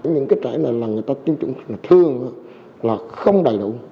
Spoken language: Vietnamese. những cái trải này là người ta tiêm chủng thương là không đầy đủ